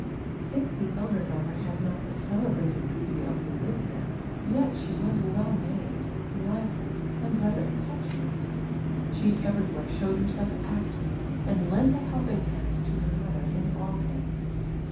If the elder daughter had not the celebrated beauty of Oli yia, yet she was well made, lively, and rather im])etuous ; she everywhere showed herself active, and lent a helping hand to her mother in all things.